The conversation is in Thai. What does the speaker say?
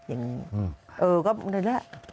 เออก็ได้แล้ว